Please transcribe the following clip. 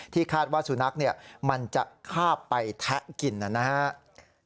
คาดว่าสุนัขมันจะข้าบไปแทะกินนะครับ